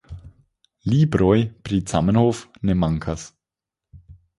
Libroj pri Zamenhof ne mankas.